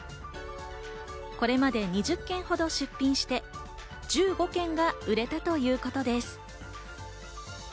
これまで２０件ほど出品して、１５件が売れたということです。